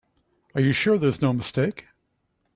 Are you sure there's no mistake?